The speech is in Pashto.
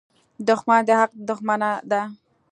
• دښمني د حق دښمنه ده.